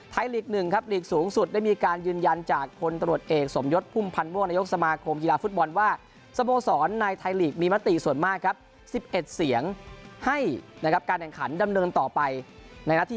ไทยลีก๑แบบศูนย์สูงสุดได้มีการยืนยันจากคนตรวจเอกสมยสภึมพันธ์มัวนโยคสมาคมกีฬาฟุตบอลว่าสโมสรในทรายลีกมีมาติส่วนมาก๑๑เสียงให้การแข่งขันดำเนินต่อไปในนัดที่๕